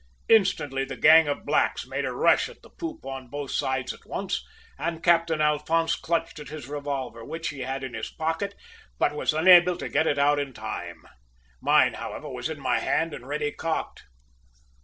"Instantly the gang of blacks made a rush at the poop on both sides at once, and Captain Alphonse clutched at his revolver, which he had in his pocket, but was unable to get it out in time. "Mine, however, was in my hand and ready cocked."